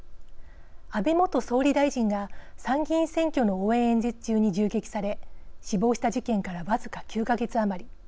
安倍元総理大臣が参議院選挙の応援演説中に銃撃され、死亡した事件から僅か９か月余り。